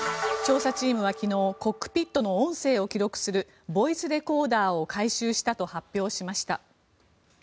調査チームは昨日コックピットの音声を記録するボイスレコーダーを回収したと発表しました。